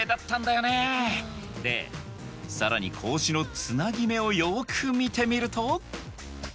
でさらに格子のつなぎ目をよく見てみると。